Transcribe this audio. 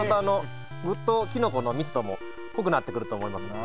ぐっとキノコの密度も濃くなってくると思いますので。